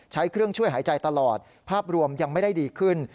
ใช้เครื่องช่วยหายใจตลอดภาพรวมยังไม่ได้ดีขึ้น